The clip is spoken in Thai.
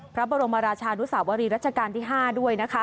พระบรมราชานุสาวรีรัชกาลที่๕ด้วยนะคะ